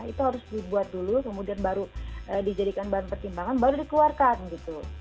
itu harus dibuat dulu kemudian baru dijadikan bahan pertimbangan baru dikeluarkan gitu